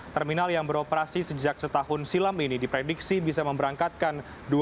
terminal yang beroperasi sejak setahun silam ini diprediksi bisa memberangkatkan